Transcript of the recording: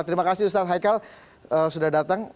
terima kasih ustadz haikal sudah datang